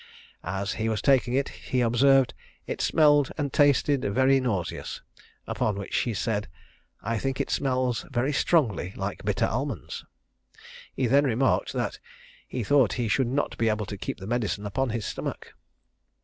As he was taking it, he observed, "it smelled and tasted very nauseous;" upon which she said "I think it smells very strongly like bitter almonds." He then remarked that "he thought he should not be able to keep the medicine upon his stomach."